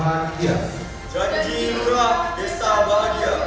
janji lurah desa bahagia